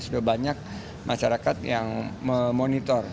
sudah banyak masyarakat yang memonitor